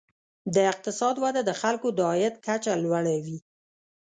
د اقتصاد وده د خلکو د عاید کچه لوړوي.